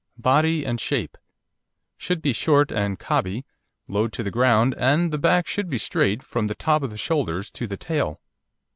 BODY AND SHAPE Should be short and cobby, low to the ground, and the back should be straight from the top of the shoulders to the tail.